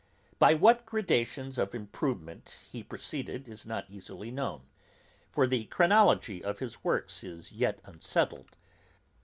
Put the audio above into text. By what gradations of improvement he proceeded, is not easily known; for the chronology of his works is yet unsettled.